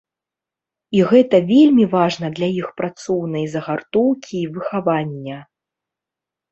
І гэта вельмі важна для іх працоўнай загартоўкі і выхавання.